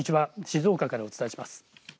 静岡からお伝えします。